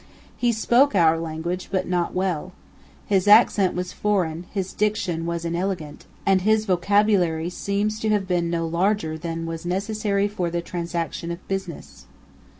He spoke our language, but not well. His accent was foreign: his diction was inelegant; and his vocabulary seems to have been no larger than was necessary for the transaction of business.